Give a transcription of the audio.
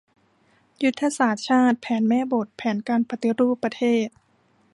ยุทธศาสตร์ชาติ แผนแม่บท แผนการปฏิรูปประเทศ